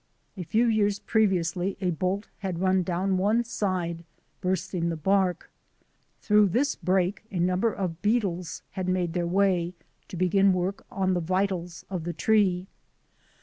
A few years previously a bolt had run down one side, bursting the bark. Through this break a number of beetles had made their way, to begin work on the vitals of the tree.